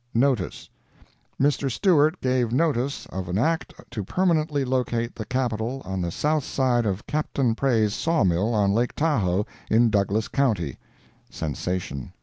NOTICE Mr. Stewart gave notice of an act to permanently locate the Capital on the South side of Capt. Pray's saw mill on Lake Tahoe, in Douglas county. [Sensation.